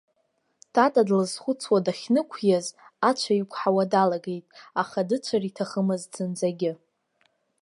Тата длызхәыцуа дахьнықәиаз ацәа иқәҳауа далагеит, аха дыцәар иҭахымызт зынӡагьы.